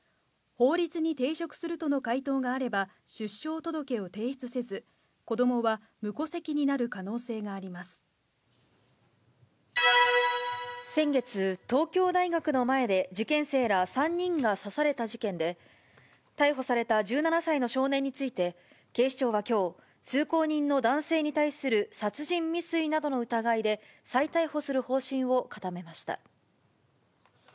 法律に抵触するとの回答があれば、出生届を提出せず、子どもは無戸先月、東京大学の前で受験生ら３人が刺された事件で、逮捕された１７歳の少年について、警視庁はきょう、通行人の男性に対する殺人未遂などの疑いで、再逮捕する方針を固めました。